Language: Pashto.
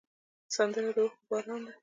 سندره د اوښکو باران ده